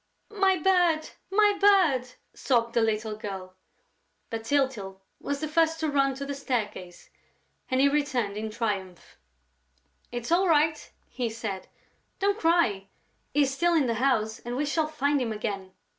"My bird! My bird!" sobbed the little girl. But Tyltyl was the first to run to the staircase and he returned in triumph: "It's all right!" he said. "Don't cry! He is still in the house and we shall find him again."